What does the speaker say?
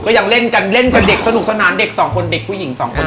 ยังเล่นกันเล่นกับเด็กสนุกสนานเด็กสองคนเด็กผู้หญิงสองคน